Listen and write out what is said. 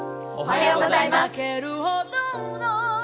おはようございます。